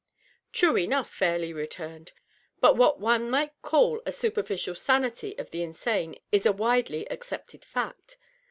True enough,'' Fairleijgh returned. '^ But what one might call the superficial sanity of the insane is a widely accepted fact.